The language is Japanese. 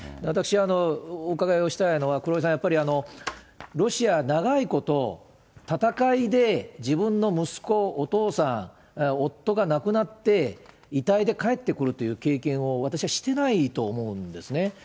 私、お伺いをしたいのは、黒井さん、やっぱりロシア、長いこと、戦いで自分の息子、お父さん、夫が亡くなって、遺体で帰ってくるという経験を私はしてないと思うんですね。